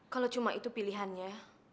kalau cuma itu pilihannya